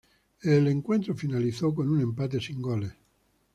El encuentro finalizó con un empate sin goles.